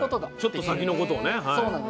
ちょっと先のことをね。